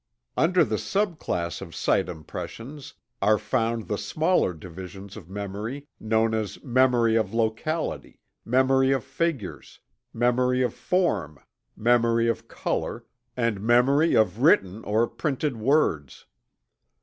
Under the sub class of sight impressions, are found the smaller divisions of memory known as memory of locality; memory of figures; memory of form; memory of color; and memory of written or printed words.